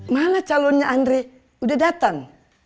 mana calonnya andri udah datang